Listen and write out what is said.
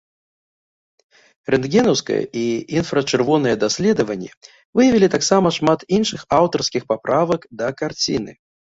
Рэнтгенаўскае і інфрачырвонае даследаванні выявілі таксама шмат іншых аўтарскіх паправак да карціны.